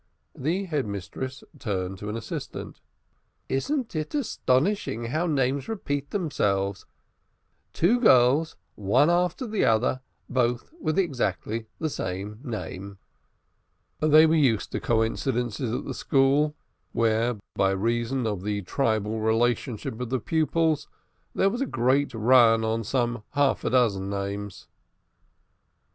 The Head Mistress turned to an assistant. "Isn't it astonishing how names repeat themselves? Two girls, one after the other, both with exactly the same name." They were used to coincidences in the school, where, by reason of the tribal relationship of the pupils, there was a great run on some half a dozen names.